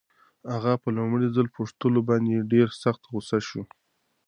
اغا په لومړي ځل پوښتلو باندې ډېر سخت غوسه شو.